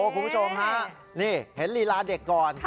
คุณผู้ชมฮะนี่เห็นลีลาเด็กก่อน